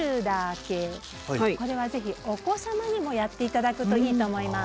これはぜひお子様にもやって頂くといいと思います。